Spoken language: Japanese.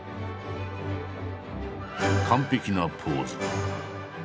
完璧なポーズ。